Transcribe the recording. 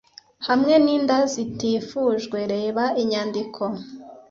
hamwe n'inda zitifujwe reba inyandiko